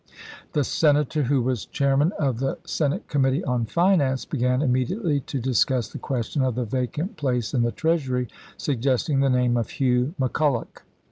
The Senator, who was chairman of the Senate Committee on Finance, began imme diately to discuss the question of the vacant place in the Treasury, suggesting the name of Hugh Mc Culloch.